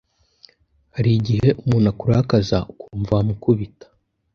hari igihe umuntu akurakaza ukumva wamukubita